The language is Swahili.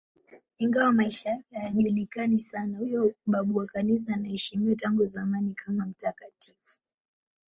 Ingawa maisha yake hayajulikani sana, huyo babu wa Kanisa anaheshimiwa tangu zamani kama mtakatifu.